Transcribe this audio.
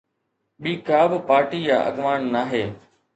ٻي ڪا به پارٽي يا اڳواڻ ناهي.